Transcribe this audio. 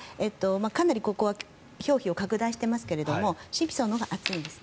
かなりここは表皮を拡大していますが真皮層のほうが厚いんです。